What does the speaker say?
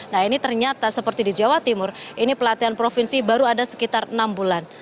nah ini ternyata seperti di jawa timur ini pelatihan provinsi baru ada sekitar enam bulan